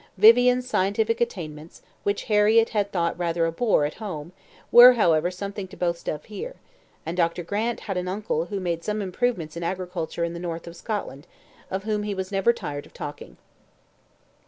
Vivian's scientific attainments, which Harriett had thought rather a bore at home, were however something to boast of here; and Dr. Grant had an uncle who had made some improvements in agriculture in the north of Scotland, of whom he was never tired of talking.